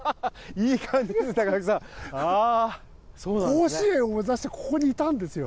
甲子園を目指してここにいたんですよ。